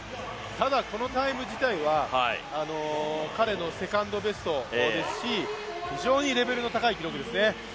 ただ、このタイム自体は彼のセカンドベストですし非常にレベルの高い記録ですね。